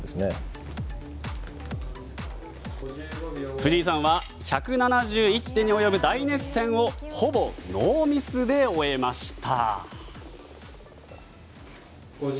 藤井さんは１７１手に及ぶ大熱戦をほぼノーミスで終えました。